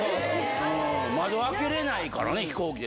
窓開けれないからね、飛行機で。